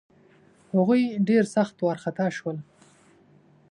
هغوی ډېر سخت وارخطا شول.